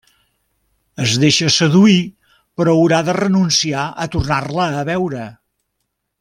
Es deixa seduir, però haurà de renunciar a tornar-la a veure.